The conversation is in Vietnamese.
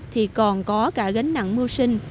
thì còn có cả gánh nặng mua sinh